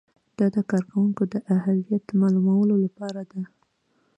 دا د کارکوونکي د اهلیت معلومولو لپاره ده.